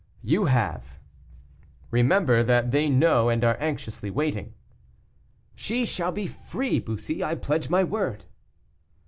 "You have." "Remember that they know and are anxiously waiting." "She shall be free, Bussy; I pledge my word."